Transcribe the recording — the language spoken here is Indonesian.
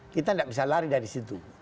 kita tidak bisa lari dari situ